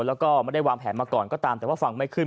จะวางแผนมาก่อนก็ตามแต่ว่าฟังไม่ขึ้น